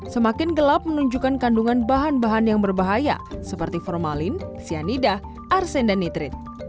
semakin gelap menunjukkan kandungan bahan bahan yang berbahaya seperti formalin cyanida arsen dan nitrit